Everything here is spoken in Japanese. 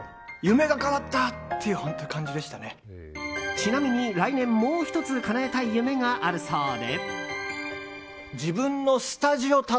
ちなみに来年、もう１つかなえたい夢があるそうで。